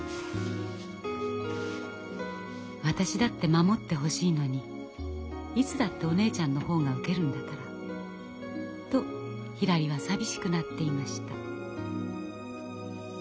私だって守ってほしいのにいつだってお姉ちゃんの方が受けるんだからとひらりは寂しくなっていました。